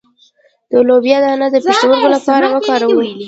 د لوبیا دانه د پښتورګو لپاره وکاروئ